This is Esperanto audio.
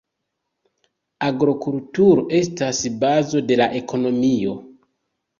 Agrokulturo estas bazo de la ekonomio.